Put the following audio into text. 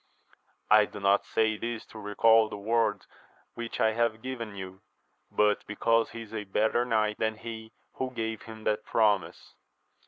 I do not say this to recal the word which I have given you, but because he is a better knight than he who gave him that promise.